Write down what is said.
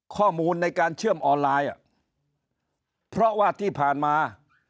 ข้อมูลในการเชื่อมออนไลน์เพราะว่าที่ผ่านมา